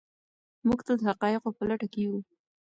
موږ تل د حقایقو په لټه کې یو.